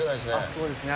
そうですね。